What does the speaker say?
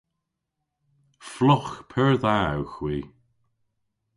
Flogh pur dha ewgh hwi!